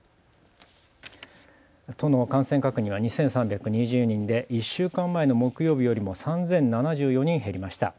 都の感染確認は２３２０人で１週間前の木曜日よりも３０７４人減りました。